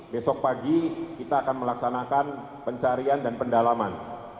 besok pagi kita akan melaksanakan pencarian dan pendalaman